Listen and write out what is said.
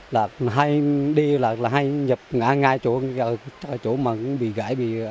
họ hay đi là hay nhập ngã ngay chỗ mà bị ngã